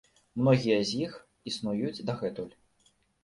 Многія з якіх існуюць дагэтуль.